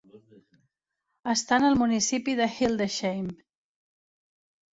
Estan al municipi de Hildesheim.